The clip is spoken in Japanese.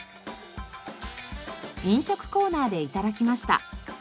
飲食コーナーで頂きました。